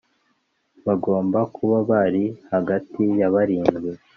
bagomba kuba bari hagati ya barindwi